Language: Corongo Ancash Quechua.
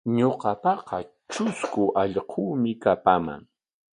Ñuqapaqa trusku allquumi kapaman.